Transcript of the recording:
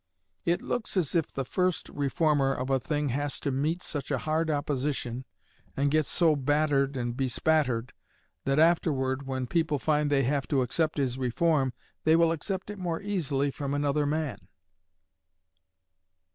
It looks as if the first reformer of a thing has to meet such a hard opposition and gets so battered and bespattered that afterward when people find they have to accept his reform they will accept it more easily from another man."